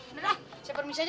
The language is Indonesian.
ntar lah saya permisi aja